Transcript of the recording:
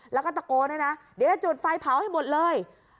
แล้วก็ตะโกนด้วยนะเดี๋ยวจะจุดไฟเผาให้หมดเลย